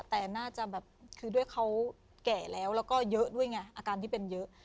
แต่น่าจะแบบคือด้วยเขาแก่แล้วแล้วก็เยอะด้วยไงอาการที่เป็นเยอะ